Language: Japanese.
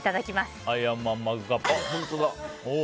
アイアンマンマグカップ。